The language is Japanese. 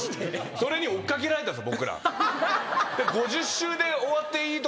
それに追っかけられたんです僕ら。